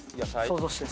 想像して。